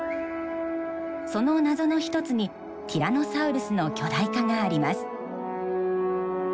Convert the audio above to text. その謎の一つにティラノサウルスの巨大化があります。